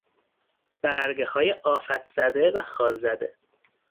برگهای آفت زده و خال زده